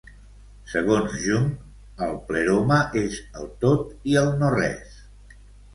Segons Jung, el pleroma és el tot i el no-res.